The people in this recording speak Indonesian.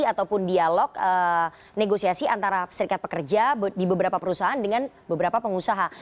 ataupun dialog negosiasi antara serikat pekerja di beberapa perusahaan dengan beberapa pengusaha